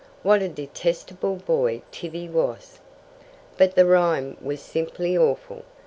What a detestable boy Tibby was!" "But the rhyme was simply awful.